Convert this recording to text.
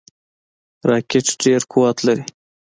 راکټ ډیر قوت لري